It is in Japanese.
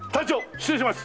失礼します！